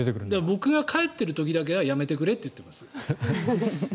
僕が帰ってる時だけはやめてくれって言ってます。